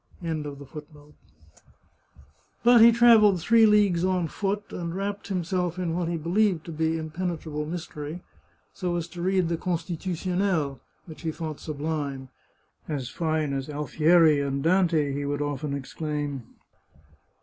94 The Chartreuse of Parma But he travelled three leagues on foot, and wrapped himself in what he believed to be impenetrable mystery, so as to read the Constitutionnel, which he thought sublime — "as fine as Alfieri and Dante," he would often exclaim.